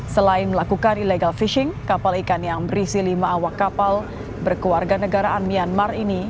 selain melakukan illegal fishing kapal ikan yang berisi lima awak kapal berkeluarga negaraan myanmar ini